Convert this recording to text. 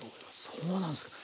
そうなんですか。